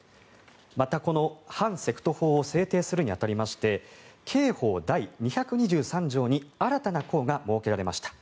また、反セクト法を制定するに当たりまして刑法第２２３条に新たな項が設けられました。